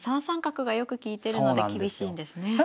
３三角がよく利いてるので厳しいんですね。